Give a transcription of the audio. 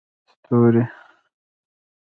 ستوري